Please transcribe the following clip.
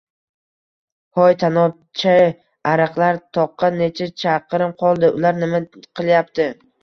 — Hoy tanobchi ariqlar! Toqqa necha chaqirim qoldi? Ular nima qilyapti?